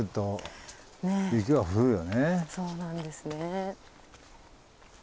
そうなんですね。